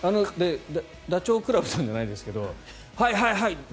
ダチョウ倶楽部さんじゃないですけどはい！